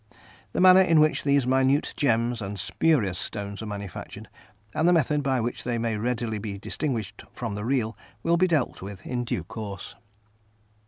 The manner in which these minute gems and spurious stones are manufactured, and the methods by which they may readily be distinguished from real, will be dealt with in due course.